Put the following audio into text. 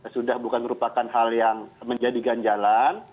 sudah bukan merupakan hal yang menjadi ganjalan